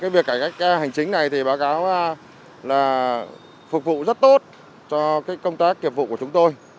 việc cải cách hành chính này thì báo cáo là phục vụ rất tốt cho công tác kiệp vụ của chúng tôi